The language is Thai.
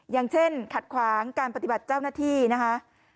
อย่างเช่นขัดขวางการปฏิบัติเจ้าหน้าที่นะคะ